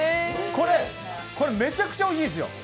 これ、めちゃくちゃおいしいんですよ。